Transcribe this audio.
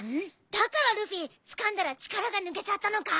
だからルフィつかんだら力が抜けちゃったのか。